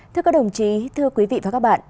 thưa các đồng chí thưa quý vị và các bạn